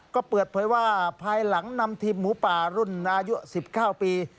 ก็เปิดเผยว่าภายหลังนำทีมหมูป่ารุ่นอายุ๑๙ปี